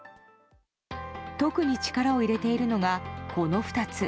特に力を入れているのがこの２つ。